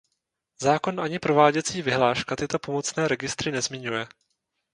Zákon ani prováděcí vyhláška tyto pomocné registry nezmiňuje.